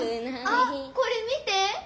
あっこれ見て！